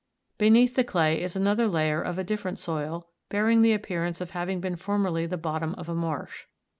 Beneath the clay is another layer of a different soil, bearing the appearance of having been formerly the bottom of a marsh.